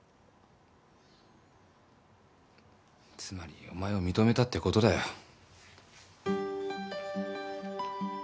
つまりお前を認めたってことだよ。